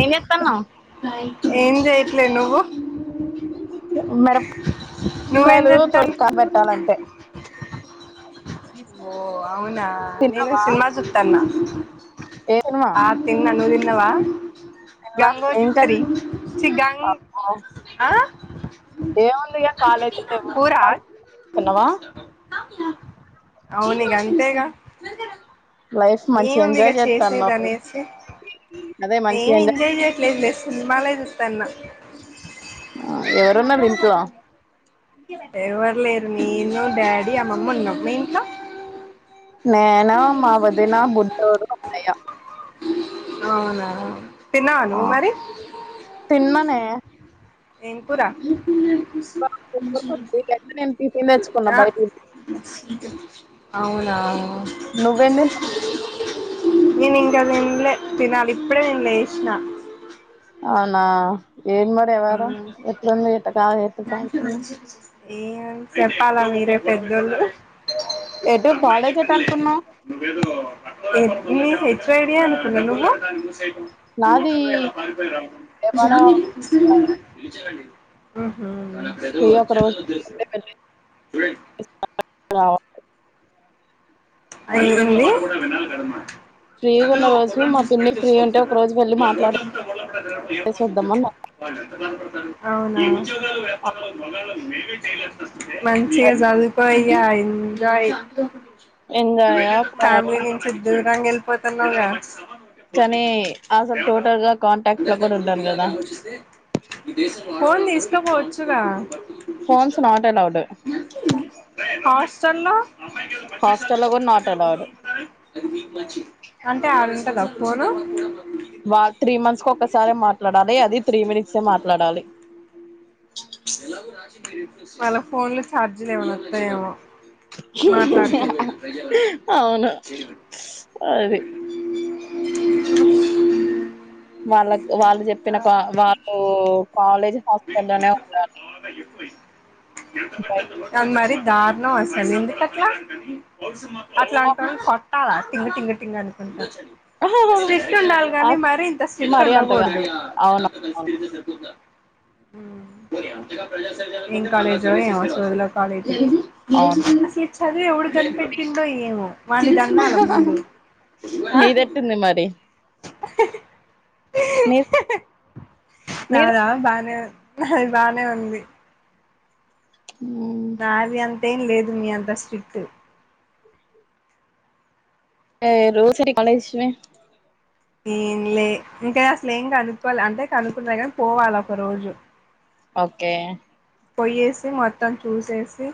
ఏం చేత్తన్నావ్ ఏం చెయట్లే నువ్వు మిరప కా [unintelligible] నువ్వేం యలు చేస్తాను తొడుకా పెట్టాలంటే ఓ అవునా నేను తిన్నావా సినిమా సుత్తన్న ఏ సినిమా ఆ తిన్న నువ్వు తి న్నవా తిన్నా ఏం గంగోత్రి కర్రీ చి గంగ్ ఆ ఏముంది ఇగ కాలేజీ లేవు పోరా సినిమాలు తిన్నావా అవును ఇగ అంతేగా లైఫ్ మంచి ఏముంది ఇక ఎంజాయ్ చేసేది చేత్తన్నావ్ అనేసి అదే మంచి ఏం ఎంజాయ్ చేయట్లేదులే సినిమాలే సుత్తన్నా ఆ ఎవరున్నరు ఇంట్లో ఎవరు లేరు నేను డాడీ అమ్మమ్మ ఉన్నాం మీ ఇంట్లో నేను మా వదిన బుడ్డోడు అన్నయ్య అవునా తిన్నావా ఆ నువ్వు మరి తిన్ననే ఏం కూర నేను టిఫిన్ తెచ్చుకున్నా బయటికి ఆ అవు నువ్వేం తిన్నావ్ నేను ఇంక తినలే తినాలి ఇప్పుడే నేను లేశిన అవునా ఏంది మరి యవ్వరం ఎట్లుంది ఏట కా ఏట చయ [unintelligible] ఏమ్ చెప్పాలా మీరే పెద్దోళ్ళు ఎటు అమ్మా కాలేజ్ ఎటు చెప్పనులే అనుకున్నావ్ నువ్వేదో పకోనిపనిలో [unintelligible] రేడియా అనుకున్న నువ్వు నాది విజయవాడ హు హమ్ మడ ఫ్రీ ఒక రోజు జనల్ ఒదిలేశ చూడం [unintelligible] రా అ ఏమైంది ప్రి ఫ్రీ ఉన్న రోజు మా పిన్ని ఫ్రీ ఉంటే ఒక రోజు వెళ్ళి మాట్లాడే సి వద్దాం మన్న అవును ఆ మంచిగా చదువు కో ఇ గ ఎంజాయ్ ఎంజాయ బాగా ఫ్యామిలీ నుంచి ఇద్దరు వెల్లి పోతన్నవ్ గా చె కానీ అసలు టోటల్ గా కాంటాక్ట్ లో అందరి కూడా తల్లులు ఉండను నీలాగానే కదా ఆలోచిస్తే ఈ దేశం [unintelligible] ఫోన్ తీసుకోపోవచ్చుగా ఫోన్స్ నాట్ అలౌడ్ హస్ చల్లో హాస్టల్లో కూడా నాట్ అలౌడ్ అంటే ఆడుంటద పోను వా త్రీ మంత్స్ కు ఒకసారే మాట్లాడాలి అది త్రీ మినిట్స్ ఏ మాట్లాడాలి వాళ ఫోన్లు ఛార్జీలు ఏమనా వత్తయేమో అవును అది వాళ్ళ కి వాళ్ళు చెప్పిన కా వాళ్ళు కాలేజ్ హాస్టల్లోనే ఉండాలి బయట కానీ మరి దార్ ణం అసలు ఎందుకట్లా అట్లాంటో ట టింగ్ టింగ్ టింగ్ అనుకుంట ఆహా స్ట్రిక్ట్ ఉండాలి కాని మరి ఇంత స్ట్రిక్ట్ అంతగా ఉండకూడదు అవును అవును ఉం ఏం కాలేజో ఏమో సొదిలో కాలేజ్ అవును అసలు ఈ చదువు ఎవడు కని పెట్టిండో ఏమో వాన్నీ తన్నాల ముందు మీదేట్టుంది మరి నీ నీద నాదా బానేవు అది బానే ఉంది అ అదేం లేదు మీ అంతా స్ట్రిక్ట్ రోజుకాాలేజ్ ఏంలే ఇంకా అసలు ఏం కనుక్కోవాలి అంటే కనుక్కుంట కానీ పోవాలి ఒక రోజు ఓకే పోయ్యేసి మొత్తం చూసేసి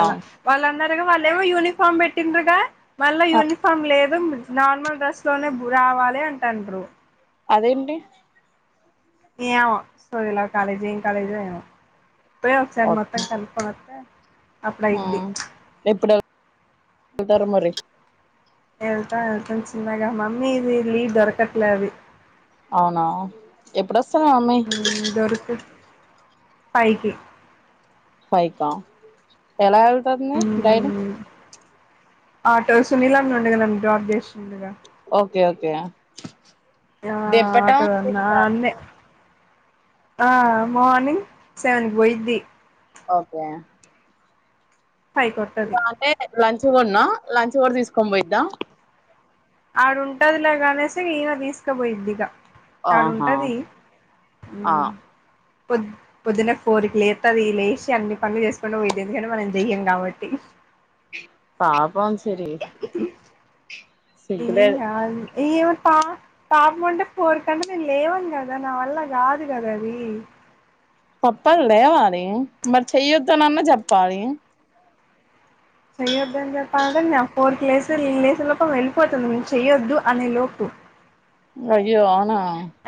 ఆ వాళ్ళందర వాళ్ళ ఏమో యూనిఫార్మ్ పెట్టిండ్రగా మళ్ళా ఆ, యూనిఫామ్ లేదు నార్మల్ డ్రెస్ లోనే రావాలి అంటారు అదేంటి ఏమో సోదీలో కాలేజీ పోయి ఒకసారి మొత్తం కనుకో ఆ ఎప్పుడు వెళ్తారు మరి ఎా అ చిన్నగా మమ్ ఇది లీవ్ దొరకట్లే అది అవునా ఎప్పుడ దొరకు పైకి పైకే అలా వెళ్తాం ఆటో సునీల్ అన్న నేను డ్రాప్ చేసింది ఓకే ఓకే ఆ దింపటం ఆటదన్న తీసుకురావడం. అన్నే ఆ మార్నింగ్ సెవెన్కి పోయిది ఓకే ఇంకా హైకోటది అంటే లంచ్ కూడా ఉన్నా లంచ్ కూడా తీసుకొని పోయిద్దా ఆడుంటదిలాగానేసి ఈయన తీసుకుపోయిద్ందిక ఆడ ఆహా ఉంటది ఆ పొద్ పొద్దున ఫోరికి లేత అది లేసి అన్ని పనులు చేసుకుండా పోతేందు కానీ మనం చెయ్యం కాబట్టి పాపం అసలు ఏ ఏ ఏమంటా పాపమంటే ఫోర్క నేను లేవాను కదా నా వల్ల కాదు కదా అది పప్పాలు లేవాలి మరి చెయ్యొద్దునన్న చెప్పాలి చెయ్యొద్ని చెప్పా అంటే నాే ఫోర్త్ క్సు్లేసు లోప వెళ్ళిపోతుంది నేను చెయ్యొద్దు అనే లోపు అయ్యో అవునా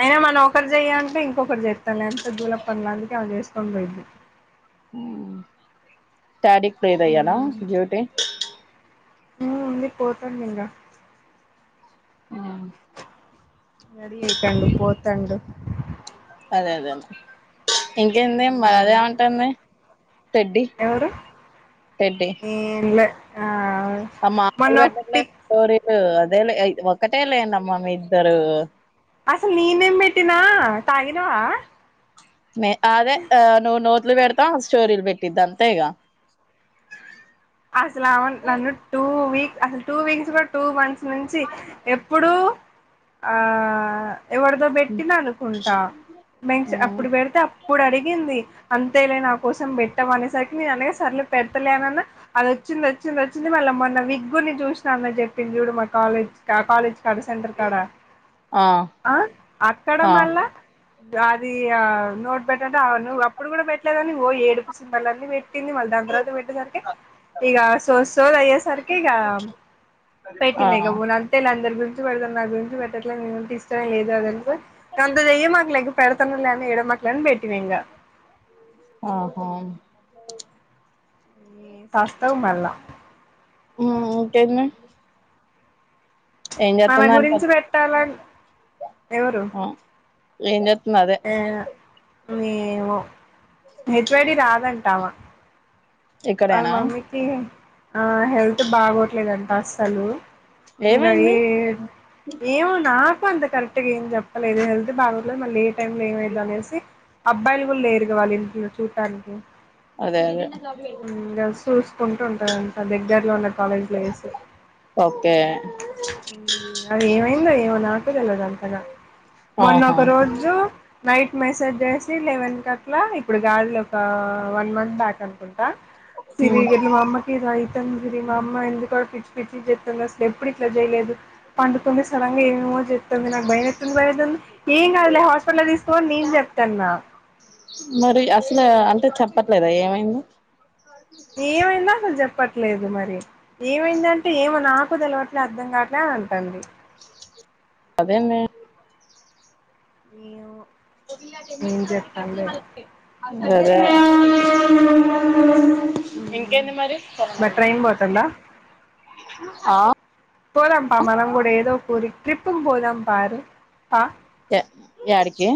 అయినా మనం ఒకరు చెయ అంటే ఇంకొకటి చేస్తా లేంత దూల పని అవి చేసుకుని పోద్ది [unintelligible] అయ్యానా జ్యూటి హా ఇంకా పోత ఇంకా ఆ నడిటడు పోతడు అదే అదే అ ఇంకేంది మరి అద ఏమంటుంది పెడ్డి ఎవరు పెడ్డి ఏంలే ఆ ఆ మా మొన్న పిక్ అదేలే ఒకటే లే అమ్మ మీ ఇద్దరు అసలు నేనుఏం పెట్నా తాగిినవా మ అదే ఆ నువ్వు నోట్స్ పెడతావు స్టోరీలు పెట్టిది అంతేగ అసలు అవును నన్ను టూ వీక్ అసలు టూ వీక్స్ కూడా టూ మంత్స్ నుంచి ఎప్పుడూ ఆ ఎవరిదో పెట్టిన అనుకుంటా అప్పుడు పెడితే అప్పుడు అడిగింది అంతేలే నా కోసం పెట్టం అనేసరికి నేను అనేసా సర్లే పెడతలేనన్న అది వచ్చింది వచ్చింది వచ్చింది మళ్ళీ మొన్న విక్ కూడా చూసినా అన్నని చెప్పి చూడు మా కాలేజ్ క కాలేజ్ కవి సెంటర్ కాడ ఆ అక్కడ ఆ మళ్ళా అది నోట్ పెట్టంటే అవు నువ్ అప్పుడు కూడా పెట్టలేదని ఓ ఏడుపు సింబల్స్ అన్ని పెట్టి పేటింది మళ్ళ దాన్ తరువాత పెట్టె సార్కే ఈగా సోదిసోది దయ్యే సార్కి ఇగ ఆ పేటింది ఇగ ఊన్ అంతేలే అందరు గుంరి పెడతావ్ నా గురించి పెట్టట్లే నేనంటే ఇష్టాం లేదు అది తెలుసా దాంతో ఎమ్ అనలేక పడుత్తున్నలే ఎడవమాకు లే పెట్టిన ఇంగా ఆహా ఎమ్ స్వస్తవ్ మళ్ళా ఇంకేంది ఏం మన చేస్తుందంట గురించి పెట్టాల ఎవరు ఏమ్ జె ఆ ఏమో హెచ్వాడి రాదంటావా వాళ్ళ ఇక్కడేనా మమ్మీకి ఆ హెల్త్ బాగోట్లేదంట అస్సలు ఇకా అయి ఏమైంది ఏవో అన్న అంత కరెక్ట్గా ఏం చెప్పలేదు హెల్త్ బాగలేదు మళ్ళీ ఏ టైమ్ లో ఏమయిదో అనేసి అబ్బాయిలు కూడా లేరు గా వాళ్ళ ఇంట్లో చూడటానికి అదే అదే ఇగా చూసుకుంటూ ఉంటాదంట దగ్గరలో ఉన్న కాలేజీలో ఎసి ఓకే ఉ అది ఏమైందో ఏమో నాకు తెలీదు అంతగా మొన్న ఆహా ఒక రోజు నైట్ మెసేజ్ చేసి లెవెన్ కట్లా ఇప్పుడు కాదులెబ్బా వన్ మంత్ బ్యాక్ అనుకుంటా సిరిగిట్లా మా అమ్మకి ఇలా సిరి మా అమ్మ ఎందుకు పిచ్చి పిచ్చచి చేస్తుంది అసలు ఎప్పుడు ఇట్లా చేయలేదు పండుకుంది సడంగా ఏమేమో చేతంది నా బయమేతుంది బయమేతుంది ఎమ్ కాదులే హ మరి అసలు అంటే చెప్ప చెప్పట్లేదా ఏమైందో ఏ మైయిందో అసలు చే చెప్పట్లేదు మరి ఏమైందంటే ఏమో నాకు తెలవట్లే అర్థం కావట్లే అని అంటంది అదెంది ఏమో టెన్ ఏం మినిట్స్ లో కాట్చెయ్ చెప్తాందో ఏమో అవ్వన్నీ సరే ఇంకేంటి మరి మరి తెల్వదు ట్రైన్ పోతుందా హ పోదం పా మనం కూడా ఏదో ఒక ఊరికి ట్రిఫ్ కి పోదాం పరి పా యాడికి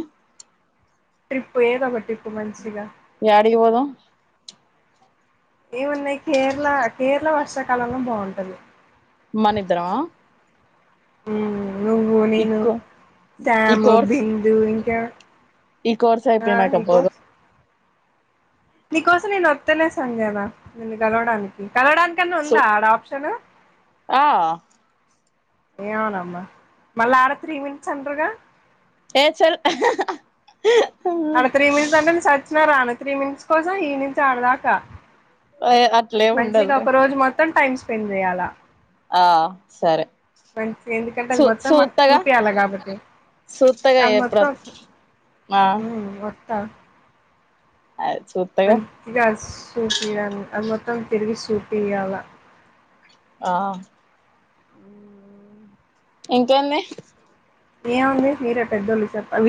ట్రిప్ ఏదో ఒక ట్రిప్ యాడికి పోదాం ఏమున్నాయి కేరళ కేరళ వర్షాకాలంలో బాగుంటుంది మనిద్దరమా నువ్వు నేను ఇకో ఈ శ్యామ్ కోర్స్ బిందు ఇంకా ఈ కోస్ర్ ఆ అయిపోయినక నీకో పోదాం నీకోసం నేను వస్తనే సంజనా నిన్ను కలవడానికి కలవడానికన్నా సో ఉందా ఆడ ఆప్షన్ ఆ ఏమోనమ్మా మళ్ళా ఆడ త్రీ మినిట్స్ అండ్రగా ఏ చల్ అడ త్రీ మినిట్స్ అంటే నేన్ సచ్చిన రాను త్రీ మినిట్స్ కోసం ఈ నుంచి ఆడదాకా అట్లేం మంచిగా ఉండదులే ఒక రోజు మొత్తం టైం స్పెండ్ చేయ్యాల ఆ సరే మంచి ఎందుకంటే అది చూ మొత్తం మాకు చూత్తగా చూపించయాలి కాబట్టి అది మొత్తం నహ్ విఓతా సూత్తగా మంచిగా సూపియల్ అది మొత్తం తిరిగి సూపియాలా ఆఅ ఇంకేమే ఏవుంది మీరే పెద్దోలు చెప్పల్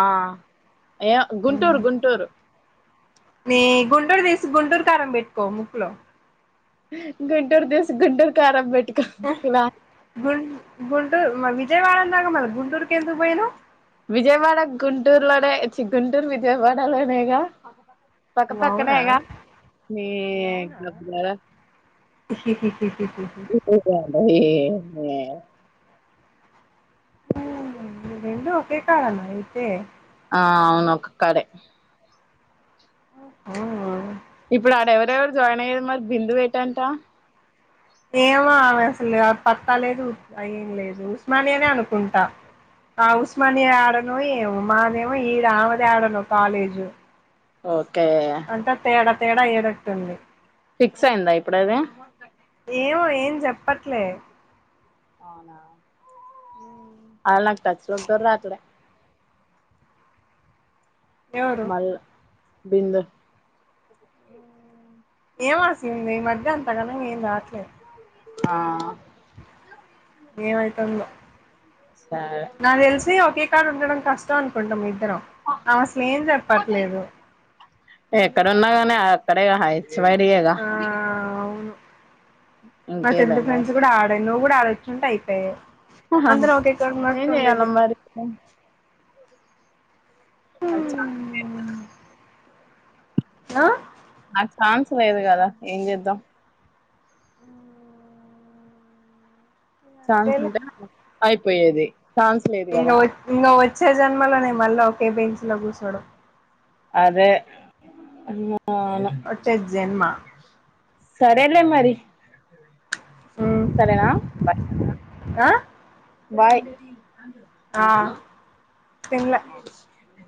ఆ ఏవ్ గుంటూరు గుంటూరు. నీ గుండూర్ దిస్ గుంటూరు కారం బెట్కో ముక్లో గుంటూర్ దిస్ గుంటూరు కారం బెట్టుకో గుంటూర్ విజయవాడ ఆనంగా మళ్ళా గుంటూరుగ్ ఎందుకు బోయినవ్ విజయవాడ గుంటూరులానే చీ గుంటూరు విజయవాడలోనేగా. పక్క నువ్వు అవునా పక్కనేగా నువ్వు అవునా ఏందే ఓ ఈ రెండు ఒకే కాడన్నా అయితే ఆ అవున్ ఒక కడే ఓహోహ్ ఇప్పుడు ఆడెవరెవరు జాయిన్ అయేద్ మరి బిందు వేటంటా. ఏమో ఆమె అసలు ఆ పత్తా లేదు ఉత్ ఏం లేదు ఉస్మానీయనే అనుకుంటా ఆ ఉస్మానీయా యాడోనో ఏమో మాదేమో ఈడ అవదేడనో కాలేజు. ఓత్ అంట తేడా తేడా ఏడేట్టుంది. ఫిక్స్ అయిందా ఇప్పుడ్ అది ఏవో ఏం జేప్పట్లే అవునా ఆల్ నాక్ టచ్చలుంటర్ రాత్తురే ఏవరు బిందా ఏం వసింది ఈ మధ్య అంతగాన్నగ్ ఏం రాట్లేద్. ఆఆ సరే నాగ్ దేల్సి ఒకే కాడు ఉండడం కష్టం అనుకుంటా మీద్ ఎక్కడున్నాగానే ఆర్ సడేగా హా హెచ్ వైడి యేగా. ఆ అవును మా చెందు మరి ఫ్రెండ్స్ కూడా ఆడే నువ్వు గూడా ఆడొచ్చుంటే అయిపేయ్. అందరం ఒకే కాడ్ ఏం ఉన్నట్ చెయ్యాల ఉండేది. మరి హైచ్చా నా నాక్ ఛాన్స్ లేదు కదా ఏ జేద్దాం. సాంగ్స్ అంతేలే ఉంటే అయిపోయేది. ఛాన్స్ లేదు కదా ఇంగోవోత్ ఇంగా వచ్చే జన్మలోనే మళ్ళా ఒకే బెంచ్లో గుసోడం. అదే అవును వచ్చే జేన్మా సరేలే మరి సరేనా వా బాయ్ ఆఅ ఓ